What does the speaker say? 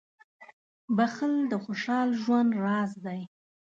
• بښل د خوشحال ژوند راز دی.